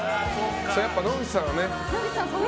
やっぱり野口さんはね。